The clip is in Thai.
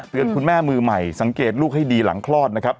คุณแม่มือใหม่สังเกตลูกให้ดีหลังคลอดนะครับ